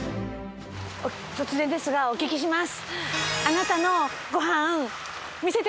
突然ですがお聞きします。